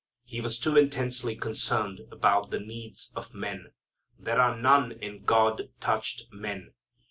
He was too intensely concerned about the needs of men. There are none in God touched men.